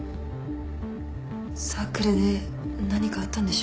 サークルで何かあったんでしょうか？